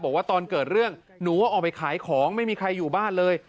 บอกว่าตอนเกิดเรื่องหนูออกไปขายของไม่มีใครอยู่บ้านเลย